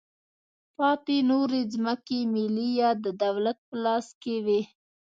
پاتې نورې ځمکې ملي یا د دولت په لاس کې وې.